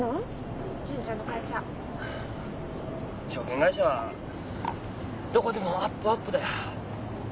証券会社はどこでもアップアップだよ。